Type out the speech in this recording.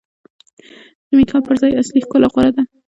د میک اپ پر ځای اصلي ښکلا غوره ده.